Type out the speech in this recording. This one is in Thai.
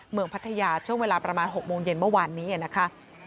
พัทยาช่วงเวลาประมาณ๖โมงเย็นเมื่อวานนี้นะคะ